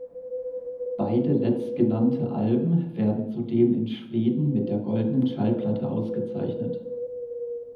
Beide letztgenannte Alben werden zudem in Schweden mit der Goldenen Schallplatte ausgezeichnet.